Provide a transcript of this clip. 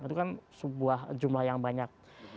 itu kan sebuah jumlah yang banyak